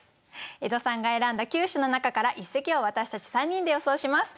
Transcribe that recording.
江戸さんが選んだ９首の中から一席を私たち３人で予想します。